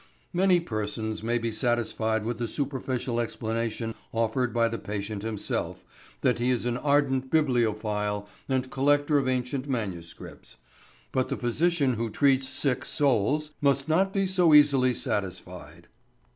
Many persons may be satisfied with the superficial explanation offered by the patient himself that he is an ardent bibliophile and collector of ancient manuscripts. But the physician who treats sick souls must not be so easily satisfied.